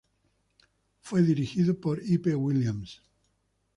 Fue dirigido por Hype Williams.